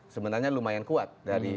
sebenarnya lumayan kuat